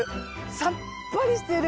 さっぱりしてる！